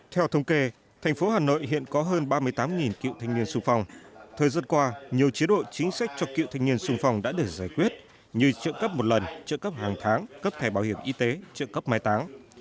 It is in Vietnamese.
theo thông kê thành phố hà nội hiện có hơn ba mươi tám cựu thanh niên sung phong thời gian qua nhiều chế độ chính sách cho cựu thanh niên sung phong đã được giải quyết như trợ cấp một lần trợ cấp hàng tháng cấp thẻ bảo hiểm y tế trợ cấp mai táng